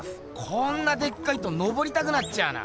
こんなでっかいとのぼりたくなっちゃうな。